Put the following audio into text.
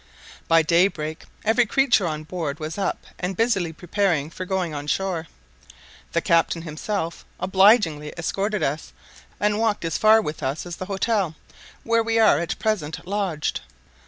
By daybreak every creature on board was up and busily preparing for going on shore. The captain himself obligingly escorted us, and walked as far with us as the hotel, where we are at present lodged.